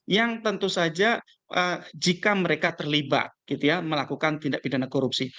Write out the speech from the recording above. yang tentu saja jika mereka terlibat gitu ya melakukan tindak pidana korupsi